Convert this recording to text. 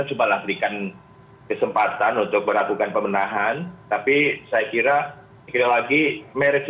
kita coba laksanakan kesempatan yang ada di dalam tubuh polri mas budi setiarso